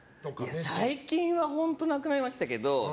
最近は本当なくなりましたけど。